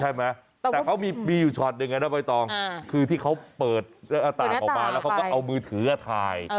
ใช่ไหมแต่เขามีอยู่ช็อตหนึ่งนะใบตองคือที่เขาเปิดหน้าต่างออกมาแล้วเขาก็เอามือถือถ่าย